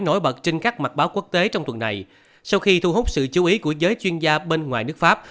nổi bật trên các mặt báo quốc tế trong tuần này sau khi thu hút sự chú ý của giới chuyên gia bên ngoài nước pháp